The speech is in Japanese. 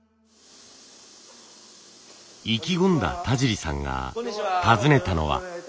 意気込んだ田尻さんが訪ねたのは。